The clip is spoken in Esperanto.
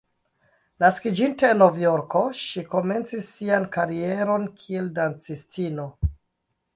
Naskiĝinte en Novjorko, ŝi komencis sian karieron kiel dancistino.